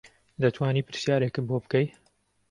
دەتوانی پرسیارێکم بۆ بکەی